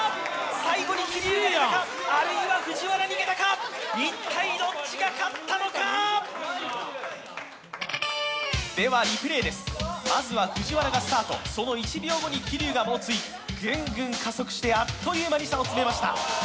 最後に桐生が抜いたかあるいは藤原逃げたか一体どっちが勝ったのかではリプレーですまずは藤原がスタートその１秒後に桐生が猛追ぐんぐん加速してあっという間に差を詰めました